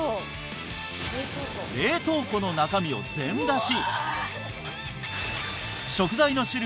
冷凍庫の中身を全出し！